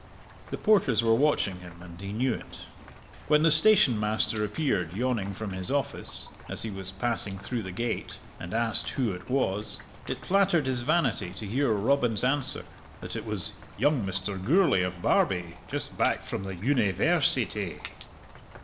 The porters were watching him, and he knew it. When the stationmaster appeared yawning from his office, as he was passing through the gate, and asked who it was, it flattered his vanity to hear Robin's answer, that it was "young Mr. Gourlay of Barbie, just back from the Univ ai rsity!"